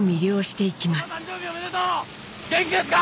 元気ですか